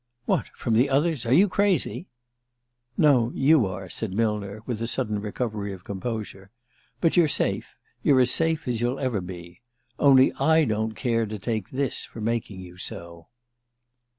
"What from the others? Are you crazy?" "No, you are," said Millner with a sudden recovery of composure. "But you're safe you're as safe as you'll ever be. Only I don't care to take this for making you so."